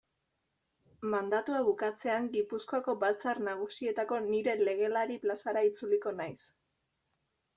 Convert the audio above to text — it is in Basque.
Mandatua bukatzean Gipuzkoako Batzar Nagusietako nire legelari plazara itzuliko naiz.